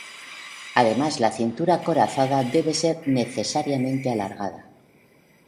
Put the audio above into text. Además la cintura acorazada debía ser necesariamente alargada.